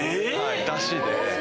だしで。